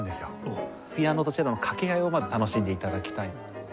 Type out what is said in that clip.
ピアノとチェロの掛け合いをまず楽しんで頂きたい。